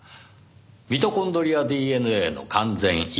ミトコンドリアＤＮＡの完全一致。